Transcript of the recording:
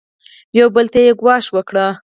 یو بل ته یې ګواښ وکړ.